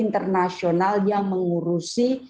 pemerintah yang menguruskan